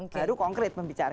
baru konkret membicarakan